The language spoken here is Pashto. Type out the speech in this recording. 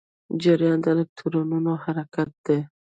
جریان د الکترونونو حرکت دی.